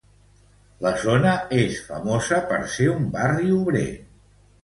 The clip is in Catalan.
La zona és famosa per ser un barri obrer.